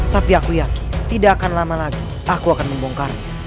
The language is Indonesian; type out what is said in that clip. tapi aku yakin tidak akan lama lagi aku akan membongkar